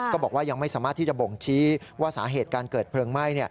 บอกว่ายังไม่สามารถที่จะบ่งชี้ว่าสาเหตุการเกิดเพลิงไหม้